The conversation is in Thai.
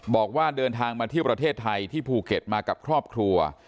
บอกว่าเดินทางมาเที่ยวประเทศไทยที่ภูเก็ตมากับครอบครัว